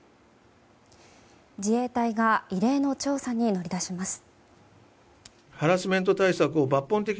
自衛隊が異例の調査に乗り出します。